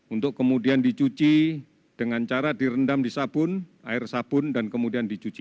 untuk kemudian dicuci dengan cara direndam di sabun air sabun dan kemudian dicuci